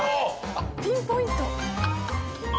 ピンポイント！